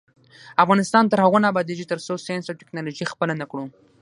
افغانستان تر هغو نه ابادیږي، ترڅو ساینس او ټیکنالوژي خپله نکړو.